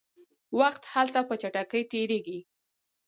وخت هلته په چټکۍ تیریږي.